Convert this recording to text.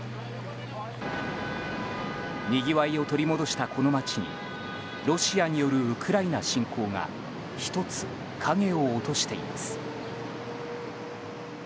にぎわいを取り戻したこの街にロシアによるウクライナ侵攻が１つ、影を落としています。